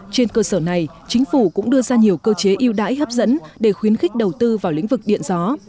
trên cơ sở này chính phủ cũng đưa ra nhiều cơ chế yêu đáy hấp dẫn để khuyến khích đầu tư vào lĩnh vực điện gió